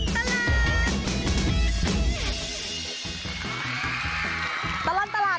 ชั่วตลอดตลาด